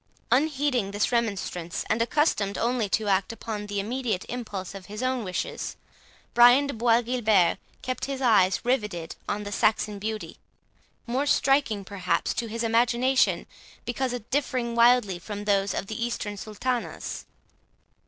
Unheeding this remonstrance, and accustomed only to act upon the immediate impulse of his own wishes, Brian de Bois Guilbert kept his eyes riveted on the Saxon beauty, more striking perhaps to his imagination, because differing widely from those of the Eastern sultanas.